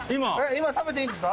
今、食べていいんですか？